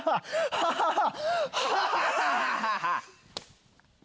ハハハハハ。